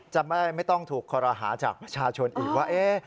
จะไม่ต้องถูกคอรหาจากประชาชนอีกว่า